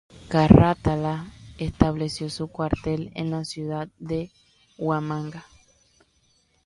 Carratalá estableció su cuartel en la ciudad de Huamanga.